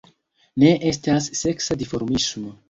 Ne estas seksa dimorfismo.